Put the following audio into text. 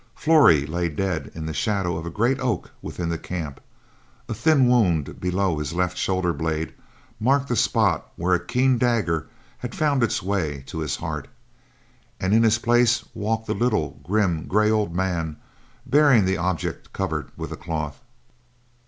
Flory lay dead in the shadow of a great oak within the camp; a thin wound below his left shoulder blade marked the spot where a keen dagger had found its way to his heart, and in his place walked the little grim, gray, old man, bearing the object covered with a cloth.